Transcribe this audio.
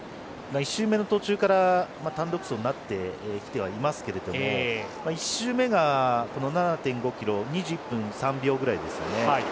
１周目の途中から単独走になってきていますが１周目が７．５ｋｍ２０分３秒ぐらいですよね。